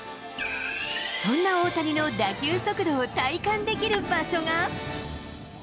そんな大谷の打球速度を体感できる場所が。